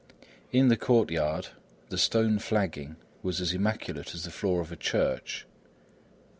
In the courtyard, the stone flagging was as immaculate as the floor of a church.